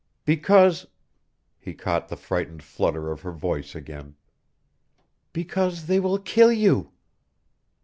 "Because " He caught the frightened flutter of her voice again. "Because they will kill you!"